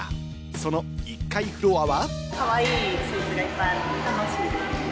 その１階フロアは。